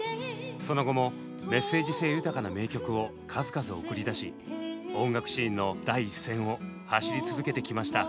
その後もメッセージ性豊かな名曲を数々送り出し音楽シーンの第一線を走り続けてきました。